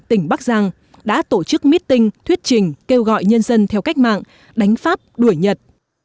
tỉnh bắc giang đã tổ chức meeting thuyết trình kêu gọi nhân dân theo cách mạng đánh pháp đuổi nhật